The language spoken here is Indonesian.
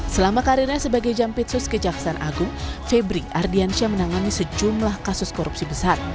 selama karirnya sebagai jampitsus kejaksaan agung febri ardiansyah menangani sejumlah kasus korupsi besar